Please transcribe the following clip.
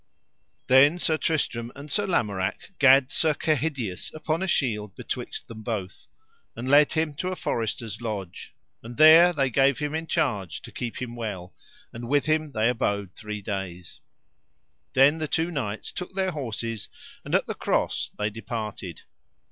Then Sir Tristram and Sir Lamorak gat Sir Kehydius upon a shield betwixt them both, and led him to a forester's lodge, and there they gave him in charge to keep him well, and with him they abode three days. Then the two knights took their horses and at the cross they departed.